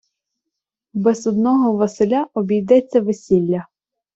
Без одного Василя обійдеться весілля.